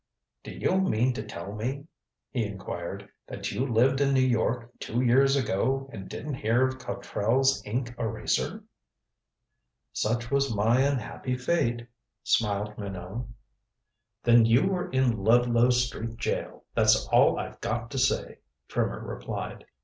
"Do you mean to tell me," he inquired, "that you lived in New York two years ago and didn't hear of Cotrell's Ink Eraser?" "Such was my unhappy fate," smiled Minot. "Then you were in Ludlow Street jail, that's all I've got to say," Trimmer replied.